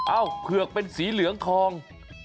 เอเผือกเป็นสีเหลืองทอง